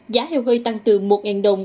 giá heo hơi tăng từ một đồng